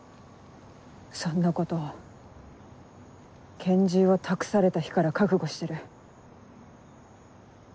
そんなこと拳銃を託された日から覚悟してる。